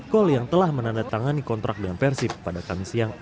kole yang telah menandatangani kontrak dengan persib pada kamis siang